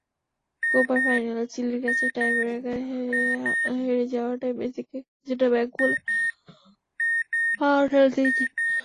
কোপার ফাইনালে চিলির কাছে টাইব্রেকারে হেরে যাওয়াটাই মেসিকে কিছুটা ব্যাকফুটে ঠেলে দিয়েছে।